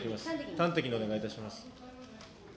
端的にお願いいたします。